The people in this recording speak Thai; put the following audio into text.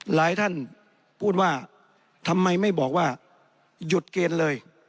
หลายท่านพูดว่าทำไมไม่บอกว่าหยุดเกณฑ์เลย